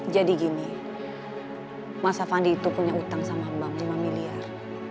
jadi gini mas avandi itu punya utang sama mbak lima miliar